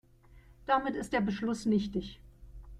Damit ist der Beschluss nichtig.